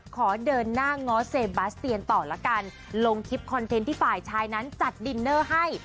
ขอเดินหน้าง้อเซบาสเตียนต่อละกันลงคลิปคอนเทนต์ที่ฝ่ายชายนั้นจัดดินเนอร์ให้